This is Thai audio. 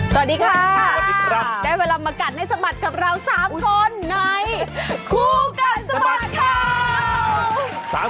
สวัสดีค่ะได้เวลามากัดให้สะบัดกับเรา๓คนในครูกัดสะบัดข่าว